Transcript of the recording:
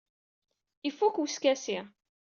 Ifuk weskasi.